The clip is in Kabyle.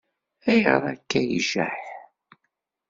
Ayɣer akka i ijaḥ?